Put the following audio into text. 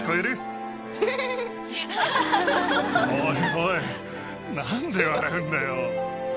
おいおい、なんで笑うんだよ！